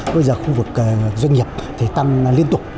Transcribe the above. bây giờ khu vực doanh nghiệp thì tăng liên tục